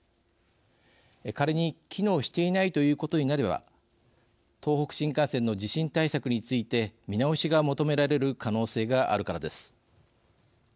仮に機能していないということになれば東北新幹線の地震対策について見直しが求められる可能性があるからです。